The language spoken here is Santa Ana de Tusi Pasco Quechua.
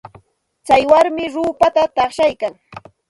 Tsay warmi ruupata taqshaykan.